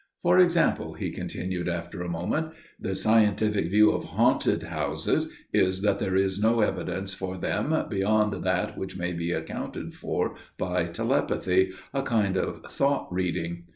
"For example," he continued after a moment, "the scientific view of haunted houses is that there is no evidence for them beyond that which may be accounted for by telepathy, a kind of thought reading.